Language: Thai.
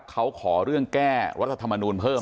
เขาขอเรื่องแก้วัตถมานูลเพิ่มด้วย